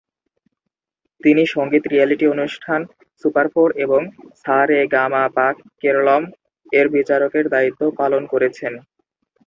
তিনি সঙ্গীত রিয়েলিটি অনুষ্ঠান "সুপার ফোর" এবং "সা রে গা মা পা কেরলম"-এর বিচারকের দায়িত্ব পালন করেছেন।